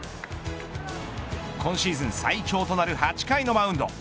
今シーズン最長となる８回のマウンド。